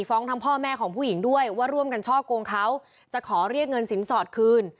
ทั้งพ่อแม่ของผู้หญิงด้วยว่าร่วมกันช่อกงเขาจะขอเรียกเงินสินสอดคืน